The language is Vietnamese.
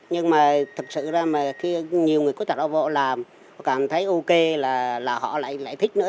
nhưng mà thực sự là khi nhiều người khuất tật họ làm họ cảm thấy ok là họ lại thích nữa